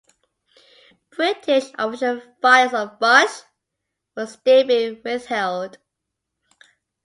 British official files on Fuchs were still being withheld.